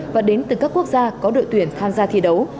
và đến từ các quốc gia có đội tuyển tham gia thi đấu